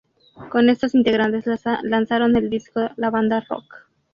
Con estos integrantes lanzaron el disco La banda rock.